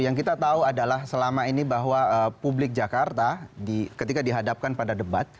yang kita tahu adalah selama ini bahwa publik jakarta ketika dihadapkan pada debat